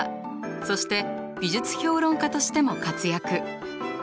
そして美術評論家としても活躍。